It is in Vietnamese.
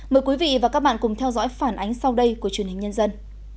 mời quý vị và các bạn cùng theo dõi phản ánh sau đây của truyền hình nhân dân